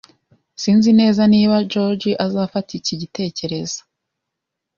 Sinzi neza niba George azafata iki gitekerezo